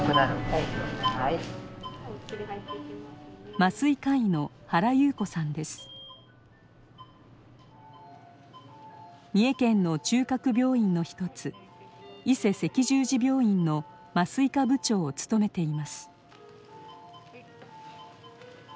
麻酔科医の三重県の中核病院の一つ伊勢赤十字病院の麻酔科部長を務めています。